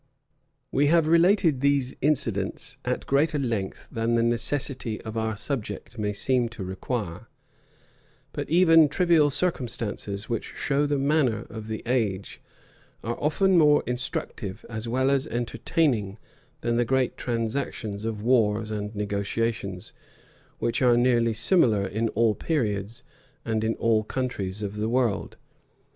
[]* Knox. Knox, p. 336, 342. Keith, p. 202. We have related these incidents at greater length than the necessity of our subject may seem to require; but even trivial circumstances, which show the manners of the age, are often more instructive, as well as entertaining, than the great transactions of wars and negotiations, which are nearly similar in all periods and in all countries of the world.